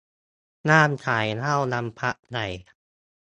ห้ามขายเหล้าวันพระใหญ่